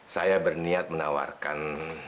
saya berniat menawarkan